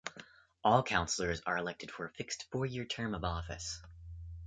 All Councilors are elected for a fixed four-year term of office.